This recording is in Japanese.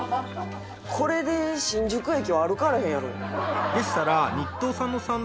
これで新宿駅は歩かれへんやろ。